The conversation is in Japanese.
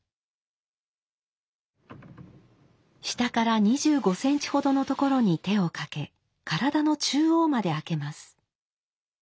下から２５センチ程の所に手をかけ体の中央まで開けます。